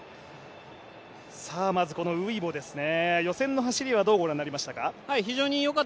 このウイボですね、予選の走りは、どうご覧になりましたか？